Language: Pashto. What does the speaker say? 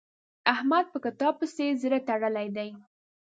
احمد په کتاب پسې زړه تړلی دی.